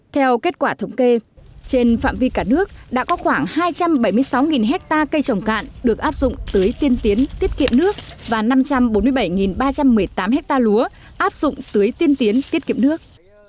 theo kết quả thống kê trên phạm vi cả nước đã có khoảng hai trăm bảy mươi sáu hectare cây trồng cạn được áp dụng tưới tiên tiến tiết kiệm nước và năm trăm bốn mươi bảy ba trăm một mươi tám hectare lúa áp dụng tưới tiên tiến tiết kiệm nước